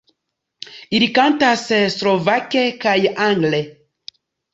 Ili kantas slovake kaj angle.